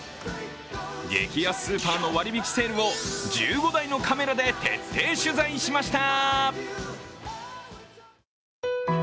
激安スーパーの割引セールを１５台のカメラで徹底取材しました。